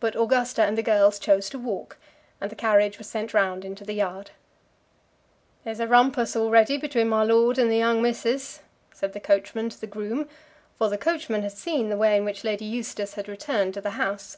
But Augusta and the girls chose to walk, and the carriage was sent round into the yard. "There's a rumpus already between my lord and the young missus," said the coachman to the groom; for the coachman had seen the way in which Lady Eustace had returned to the house.